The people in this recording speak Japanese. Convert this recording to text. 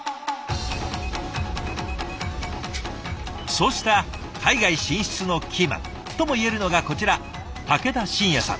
そうした海外進出のキーマンともいえるのがこちら武田真哉さん。